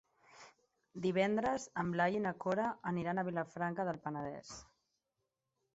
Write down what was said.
Divendres en Blai i na Cora aniran a Vilafranca del Penedès.